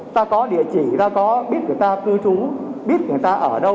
ta có địa chỉ ta có biết người ta cư trú biết người ta ở đâu